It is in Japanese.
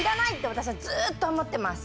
私はずっと思ってます。